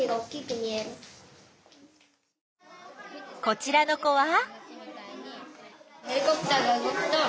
こちらの子は？